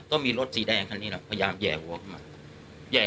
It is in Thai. ก็มีรถสีแดงกันเลยพยายามแห่ว